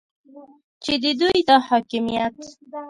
چې د دوی دا حاکمیت